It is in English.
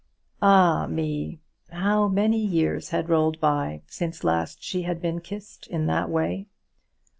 Ah, me, how many years had rolled by since last she had been kissed in that way!